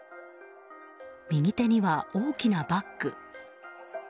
右手には大きなバッグ。